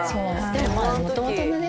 でもまあもともとのね